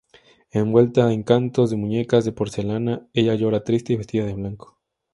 Envuelta en cantos de muñecas de porcelana, ella llora triste y vestida de blanco.